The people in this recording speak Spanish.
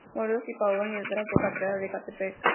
Morelos y Pavón" y detrás de la Catedral de Ecatepec.